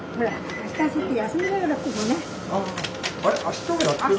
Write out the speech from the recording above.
明日はやってる。